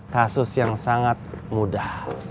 kasus yang sangat mudah